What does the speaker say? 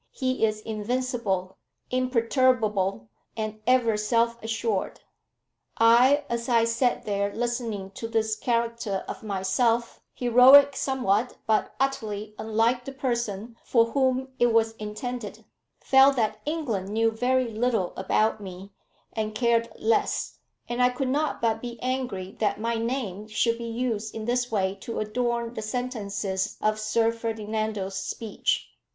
He is invincible, imperturbable, and ever self assured." I, as I sat there listening to this character of myself, heroic somewhat, but utterly unlike the person for whom it was intended, felt that England knew very little about me, and cared less; and I could not but be angry that my name should be used in this way to adorn the sentences of Sir Ferdinando's speech.